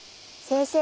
先生